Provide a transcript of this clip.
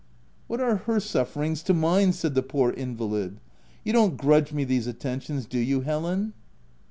" What are her sufferings to mine ?" said the poor invalid. " You don't grudge me these at tentions, do you, Helen